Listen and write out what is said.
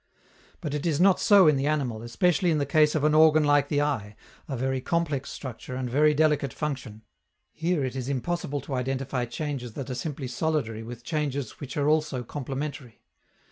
But it is not so in the animal, especially in the case of an organ like the eye, a very complex structure and very delicate function. Here it is impossible to identify changes that are simply solidary with changes which are also complementary.